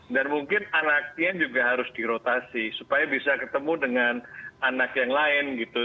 dan mungkin anaknya juga harus dirotasi supaya bisa ketemu dengan anak yang lain gitu